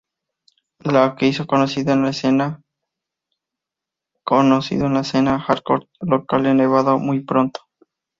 La que se hizo conocida en la escena hardcore local de Nevada muy pronto.